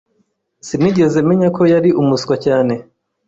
Sinigeze menya ko yari umuswa cyane.